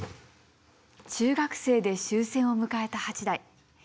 中学生で終戦を迎えた八大。